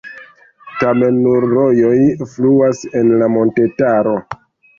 Tamen nur rojoj fluas en la montetaro.